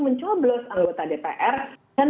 mencoblos anggota dpr dan